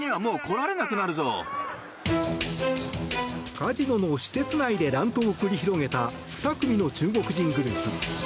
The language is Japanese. カジノの施設内で乱闘を繰り広げた２組の中国人グループ。